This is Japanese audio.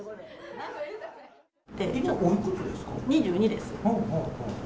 今、２２です。